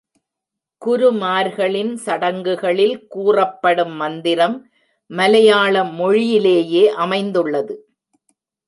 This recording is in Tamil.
குருமார்களின் சடங்குகளில் கூறப்படும் மந்திரம் மலையாள மொழியிலேயே அமைந்துள்ளது.